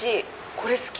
これ好き！